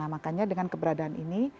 makanya dengan keberadaan ini